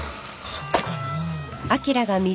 そうかな？